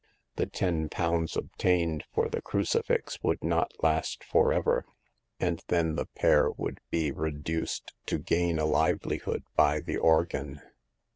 The ten pounds obtained for the crucifix would not last forever, and then the pair would be re duced to gain a livelihood by the organ.